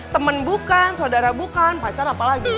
temen bukan saudara bukan pacar apa lagi